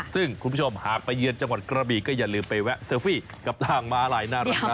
ซึ่งคุณผู้ชมหากไปเยือนจังหวัดกระบีก็อย่าลืมไปแวะเซลฟี่กับทางม้าลายน่ารักนะ